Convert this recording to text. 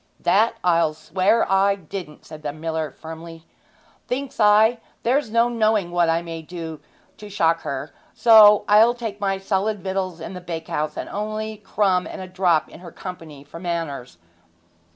'That I'll swear I didn't!' said the miller firmly. 'Thinks I, there's no knowing what I may do to shock her, so I'll take my solid victuals in the bakehouse, and only a crumb and a drop in her company for manners.'